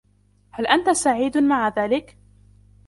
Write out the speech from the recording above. هل أنتَ سعيد مع ذلك ؟